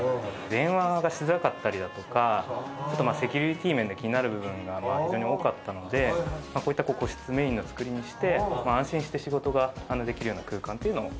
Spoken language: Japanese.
電話がしづらかったりだとかセキュリティー面で気になる部分が非常に多かったのでこういった個室メインの造りにして安心して仕事ができるような空間っていうのを。